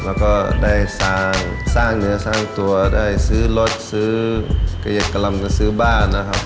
แล้วก็ได้สร้างเนื้อสร้างตัวได้ซื้อรถซื้อขยับกำลังกันซื้อบ้านนะครับ